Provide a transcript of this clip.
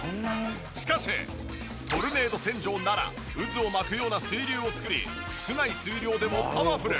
しかしトルネード洗浄なら渦を巻くような水流を作り少ない水量でもパワフル！